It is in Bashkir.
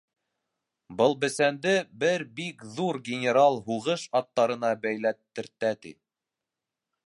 Был бесәнде бер бик ҙур генерал һуғыш аттарына бәйләттертә, — ти.